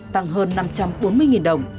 tăng hơn năm trăm bốn mươi đồng